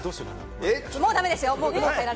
もう駄目ですよ。